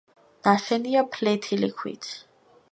ნაშენია ფლეთილი ქვით.